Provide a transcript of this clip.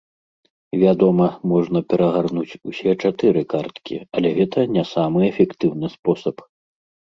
Вядома, можна перагарнуць усе чатыры карткі, але гэта не самы эфектыўны спосаб.